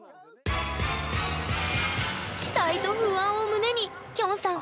期待と不安を胸にきょんさん